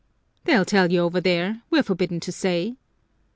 "They'll tell you over there. We're forbidden to say."